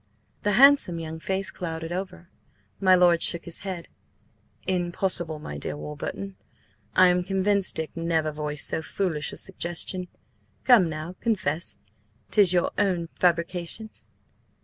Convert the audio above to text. The handsome young face clouded over. My lord shook his head. "Impossible, my dear Warburton. I am convinced Dick never voiced so foolish a suggestion. Come now, confess! 'tis your own fabrication?"